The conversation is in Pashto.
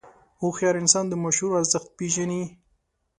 هوښیار انسان د مشورو ارزښت پېژني.